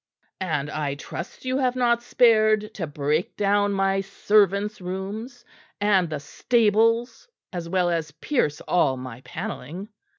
"And I trust you have not spared to break down my servants' rooms, and the stables as well as pierce all my panelling."